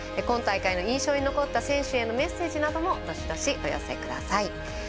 今大会の印象に残った選手へのメッセージなどもどしどし、お寄せください。